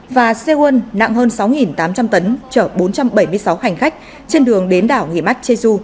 và seoul nặng hơn sáu tám trăm linh tấn chở bốn trăm bảy mươi sáu hành khách trên đường đến đảo nghỉ mát jeju